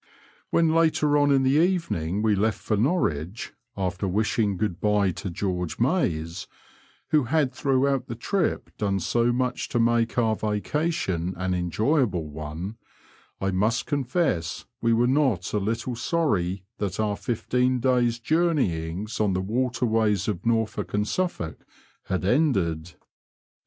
When later on in the evening we left for Norwich (after wishing good bye to George Mayes, who had throughout the Mp done so much to make our vacation an enjoyable one), I must confess we were not a little sorry that our fifteen days* joumeyings on the waterways of Norfolk and Suffolk had ended.